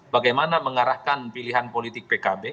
bagaimana mengarahkan pilihan politik pkb